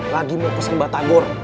lagi mau pesen mbak tagor